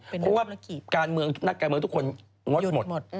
เพราะว่าการเมืองนักการเมืองทุกคนงดหมด